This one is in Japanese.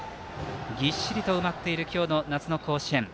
ぎっしりと埋まっている今日の夏の甲子園。